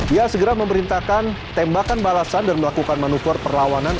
ia segera memerintahkan tembakan balasan dan melakukan manuver perlawanan